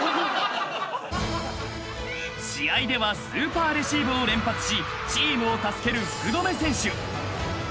［試合ではスーパーレシーブを連発しチームを助ける］